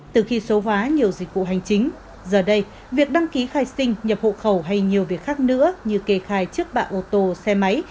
từ khi số hóa nhiều dịch vụ hành chính giờ đây việc đăng ký khai sinh nhập hộ khẩu hay nhiều việc khác nữa như kề khai trước bạ ô tô xe máy